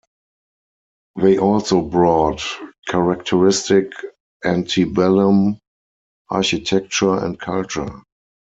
They also brought characteristic antebellum architecture and culture.